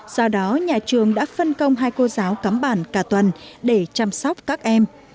do đó nhà trường đã phân công hai cô giáo cắm bản cả tuần để chăm sóc các em